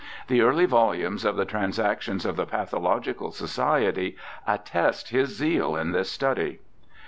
The early volumes of the Transactions of the Pathological Society attest his zeal in this study.